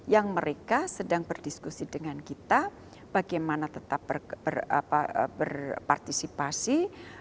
yang mereka sedang berdiskusi dengan kita bagaimana tetap berpartisipasi